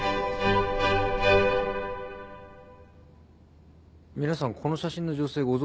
皆さんこの写真の女性ご存じなんですか？